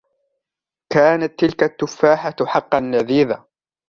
كانت تلك التفاحة حقا لذيذة.